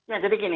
ya jadi gini